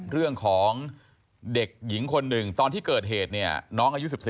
เรื่องของเด็กหญิงคนหนึ่งตอนที่เกิดเหตุเนี่ยน้องอายุ๑๔